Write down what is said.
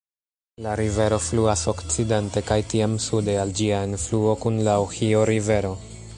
La rivero fluas okcidente kaj tiam sude al ĝia enfluo kun la Ohio-Rivero.